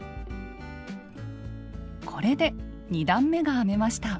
これで２段めが編めました。